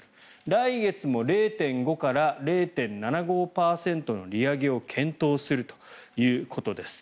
来月も０．５から０．７５％の利上げを検討するということです。